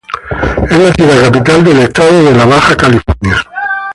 Es la ciudad capital del estado de Baja California.